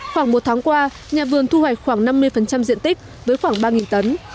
khoảng một tháng qua nhà vườn thu hoạch khoảng năm mươi diện tích với khoảng ba tấn